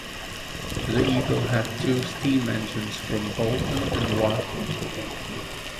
The "Eagle" had two steam engines from Boulton and Watt.